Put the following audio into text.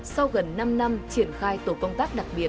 sau gần năm năm triển khai tổ công tác đặc biệt ba trăm một mươi bốn